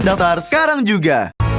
daftar sekarang juga